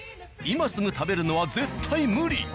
今すぐ食べるのは絶対無理！